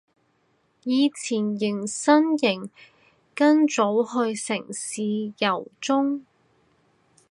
以前迎新營跟組去城市遊蹤